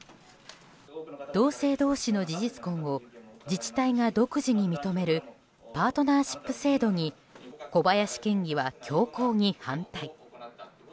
同性同士の事実婚を自治体が独自に認めるパートナーシップ制度に小林県議は強硬に反対。